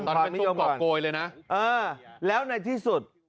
ตอนนั้นเป็นสู้กรอกโกยเลยนะเออแล้วในที่สุด